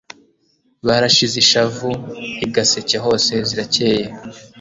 Barashize ishavu I Gaseke hose zirakeye